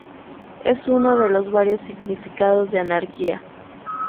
Es uno de los varios significados de anarquía.